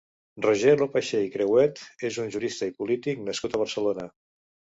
Roger Loppacher i Crehuet és un jurista i polític nascut a Barcelona.